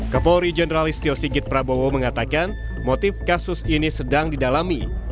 kepolri jenderalist tio sigit prabowo mengatakan motif kasus ini sedang didalami